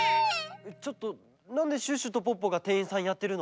ちょっとなんでシュッシュとポッポがてんいんさんやってるの？